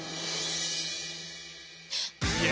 いや！